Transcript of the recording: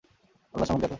আল্লাহ সম্যক জ্ঞাত।